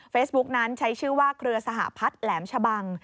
นั้นใช้ชื่อว่าเครือสหพัฒน์แหลมชะบัง